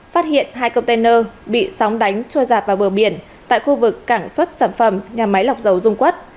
phát hiện hai container bị sóng đánh trôi giạt vào bờ biển tại khu vực cảng xuất sản phẩm nhà máy lọc dầu dung quất